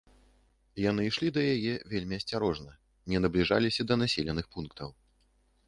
Яны ішлі да яе вельмі асцярожна, не набліжаліся да населеных пунктаў.